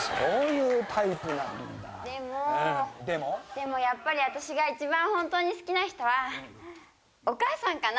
でもやっぱり私が一番本当に好きな人はお母さんかな。